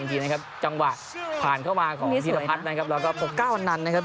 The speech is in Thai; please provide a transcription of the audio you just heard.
พี่สาวรับครับ